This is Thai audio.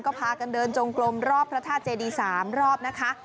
ก็พากันเดินจงกลมรอบพระธาตุเจดี๓รอบนะคะ